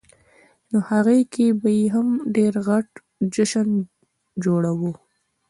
نوهغې کې به یې هم ډېر غټ جشن جوړاوه.